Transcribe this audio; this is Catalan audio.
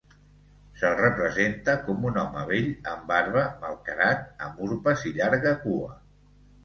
Se'l representa com un home vell, amb barba, malcarat, amb urpes i llarga cua.